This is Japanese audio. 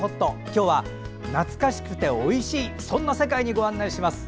今日は懐かしくておいしいそんな世界にご案内します。